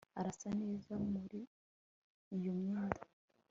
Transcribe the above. arasa neza muri iyo myenda